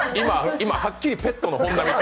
今、はっきり「ペットの本並」って。